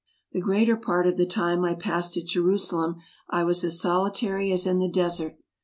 The greater part of the time I passed at Jerusalem I was as solitary as in the desert.